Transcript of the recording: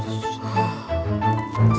terus doa terus